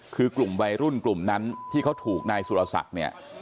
คือกลุ่มวัยรุ่นกลุ่มนั้นที่เขาถูกนายสุรศักดิ์เนี่ย